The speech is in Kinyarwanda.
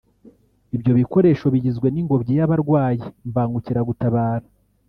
Ibyo bikoresho bigizwe n’ingobyi y’abarwayi (imbangukiragutabara)